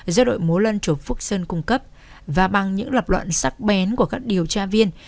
do đội múa lân chùa phúc sơn cung cấp và bằng những lập luận sắc bén của các điều tra viên